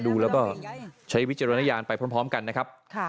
ดูแล้วก็ใช้วิจารณญาณไปพร้อมกันนะครับ